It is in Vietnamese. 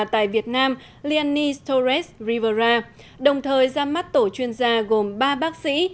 tại việt nam lianis torres rivera đồng thời ra mắt tổ chuyên gia gồm ba bác sĩ